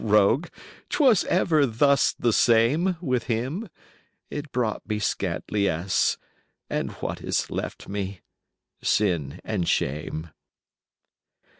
The rogue! 'twas ever thus the same 30 With him. It brought me scant liesse: And what is left me? Sin and shame.